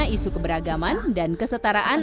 isu keberagaman dan kesetaraan